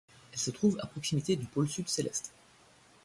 Elle se trouve à proximité du pôle sud céleste.